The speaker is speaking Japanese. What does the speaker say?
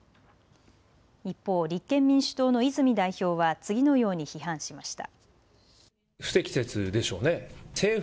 一方、立憲民主党の泉代表は次のように批判しました。